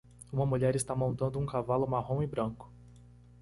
Uma mulher está montando um cavalo marrom e branco.